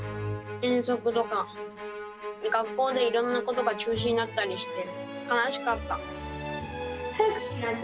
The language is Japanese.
遠足とか、学校でいろんなことが中止になったりして悲しかった。